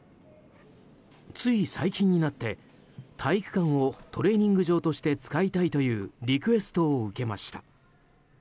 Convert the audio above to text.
つい最近になって体育館をトレーニング場として使いたいというリクエストを受けました。